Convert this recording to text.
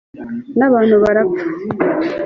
n'abantu barapfa